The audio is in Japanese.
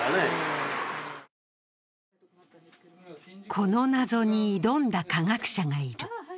この謎に挑んだ科学者がいる。